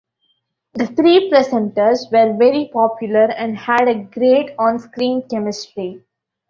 The three presenters were very popular and had a great on screen chemistry.